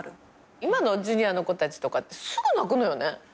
今のジュニアの子たちとかってすぐ泣くのよね。